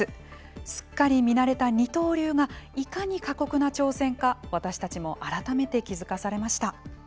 すっかり見慣れた二刀流がいかに過酷な挑戦か私たちも改めて気付かされました。